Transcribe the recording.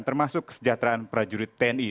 termasuk kesejahteraan prajurit tni